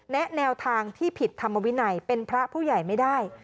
แนวทางที่ผิดธรรมวินัยเป็นพระผู้ใหญ่ไม่ได้